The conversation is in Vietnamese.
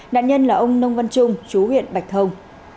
nạn nhân là ông nông văn trung chú huyện bạch thông